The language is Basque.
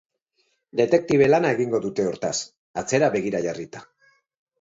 Detektibe lana egingo dute hortaz, atzera begira jarrita.